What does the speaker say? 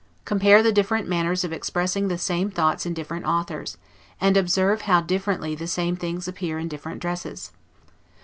Compare the different manners of expressing the same thoughts in different authors; and observe how differently the same things appear in different dresses.